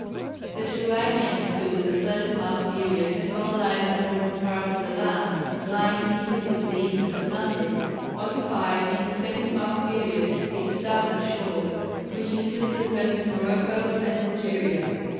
The Turanians who in the first map period had colonized the northern parts of the land lying immediately to the east of Atlantis, occupied in the second map period its southern shores (which included the present Morocco and Algeria).